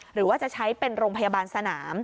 หรือว่าจะใช้เป็นโรงพยาบาลสนาม